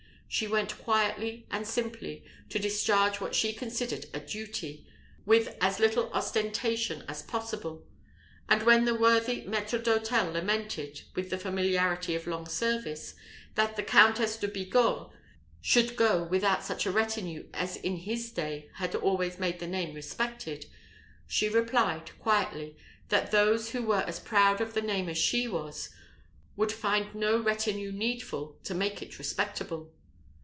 She went quietly and simply, to discharge what she considered a duty, with as little ostentation as possible; and when the worthy maître d'hôtel lamented, with the familiarity of long service, that the Countess de Bigorre should go without such a retinue as in his day had always made the name respected, she replied, quietly, that those who were as proud of the name as she was, would find no retinue needful to make it respectable.